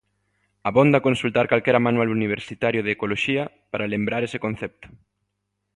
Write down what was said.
Abonda consultar calquera manual universitario de ecoloxía para lembrar ese concepto.